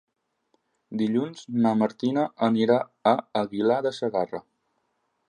Dilluns na Martina anirà a Aguilar de Segarra.